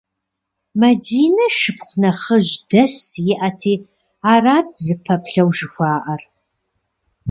Мадинэ шыпхъу нэхъыжь дэс иӏэти арат зыпэплъэу жыхуаӏэр.